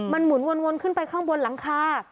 มันหมุนวนขึ้นไปข้างบนหลังคา